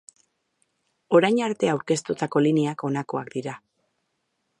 Orain arte aurkeztutako lineak honakoak dira.